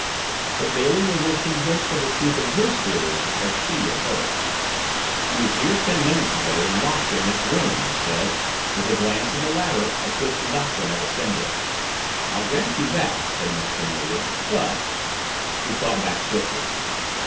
But Bailey was as convinced of the truth of his theory as she of hers. "He was here ten minutes ago locked in this room," he said with a glance at the ladder up which the doctor had ascended. "I'll grant you that," said Miss Cornelia. "But " She thought back swiftly.